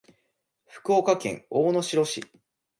福岡県大野城市